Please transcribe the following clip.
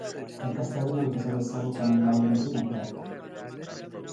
ለቀስተኛው የተሰበሰው ከመላው አገሪቱ ነበር።